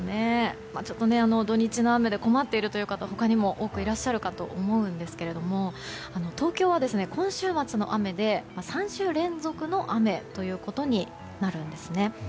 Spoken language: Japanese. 土日の雨で困っているという方他にも多くいらっしゃるかと思うんですが東京は今週末の雨で３週連続の雨となるんですね。